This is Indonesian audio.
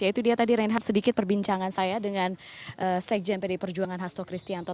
yaitu dia tadi reinhardt sedikit perbincangan saya dengan sekjen pd perjuangan hasto kristianto